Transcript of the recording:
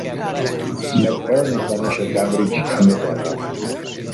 McBurney va néixer a Cambridge, Anglaterra.